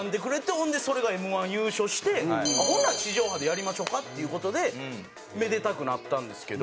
ほんでそれがＭ−１優勝してほんなら地上波でやりましょうかっていう事でめでたくなったんですけど。